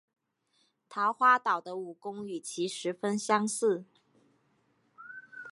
桃花岛的武功与其十分相似。